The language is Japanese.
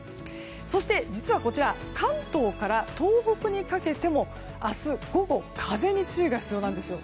そして、関東から東北にかけても明日午後風に注意が必要なんです。